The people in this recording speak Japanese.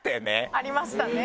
ありましたね